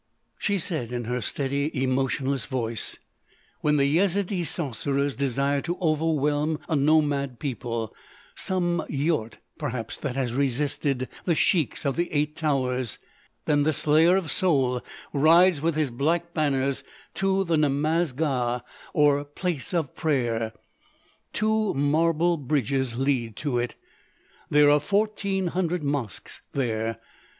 She said in her steady, emotionless voice: "When the Yezidee Sorcerers desire to overwhelm a nomad people—some yort perhaps that has resisted the Sheiks of the Eight Towers, then the Slayer of Souls rides with his Black Banners to the Namaz Ga or Place of Prayer. "Two marble bridges lead to it. There are fourteen hundred mosques there.